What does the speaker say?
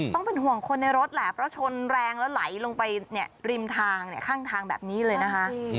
ต้องเป็นห่วงคนในรถแหละเพราะชนแรงแล้วไหลลงไปริมทางข้างทางแบบนี้เลยนะคะ